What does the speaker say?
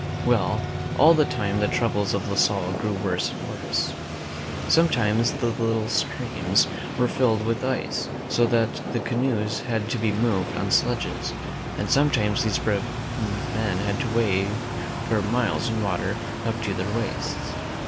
Well, all the time the troubles of La Salle grew worse and worse. Sometimes the little streams were filled with ice, so that the canoes had to be moved on sledges, and sometimes these brave men had to wade for miles in water up to their waists.